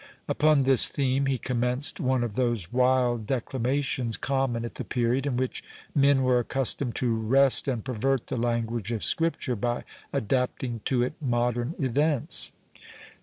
—Upon this theme, he commenced one of those wild declamations common at the period, in which men were accustomed to wrest and pervert the language of Scripture, by adapting to it modern events.